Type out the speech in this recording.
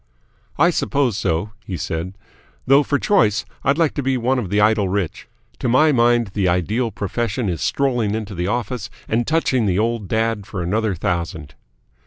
"I suppose so," he said. "Though for choice I'd like to be one of the Idle Rich. To my mind the ideal profession is strolling into the office and touching the old dad for another thousand."